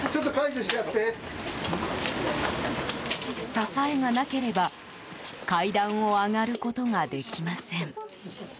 支えがなければ階段を上ることができません。